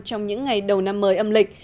trong những ngày đầu năm mới âm lịch